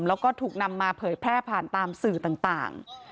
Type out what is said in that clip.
แล้วก็ถูกนำมาเผยแพร่ผ่านตามสื่อต่าง